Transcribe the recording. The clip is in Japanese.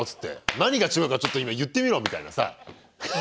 「何が違うかちょっと今言ってみろ」みたいなさ。